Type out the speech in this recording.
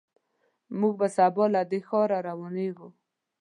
موږ به سبا له دې ښار روانېږو.